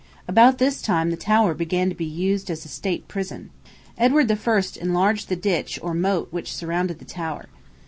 About this time the Tower began to be used as a state prison. Edward I. enlarged the ditch or moat which surrounded the Tower.